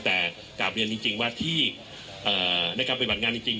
แต่กลับเรียนจริงจริงว่าที่เอ่อในการเป็นบัตรงานจริงจริง